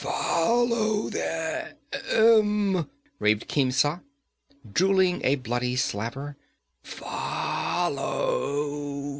'Follow them!' raved Khemsa, drooling a bloody slaver. 'Follow!'